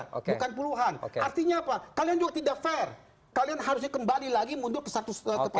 bukan puluhan artinya apa kalian juga tidak fair kalian harusnya kembali lagi mundur ke satu setelah dua ribu empat belas